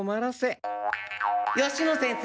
吉野先生